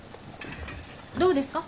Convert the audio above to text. どうですか？